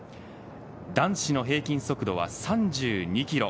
男子の平均速度は３２キロ。